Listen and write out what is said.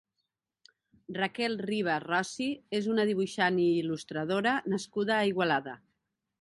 Raquel Riba Rossy és una dibuixant i il·lustradora nascuda a Igualada.